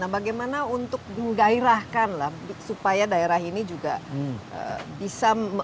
nah bagaimana untuk menggairahkan lah supaya daerah ini juga bisa